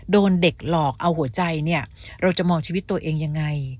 โดนเด็กหลอกเอาหัวใจเนี่ยเราจะมองชีวิตตัวเองยังไง